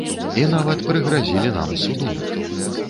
І нават прыгразілі нам судом.